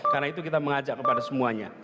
karena itu kita mengajak kepada semuanya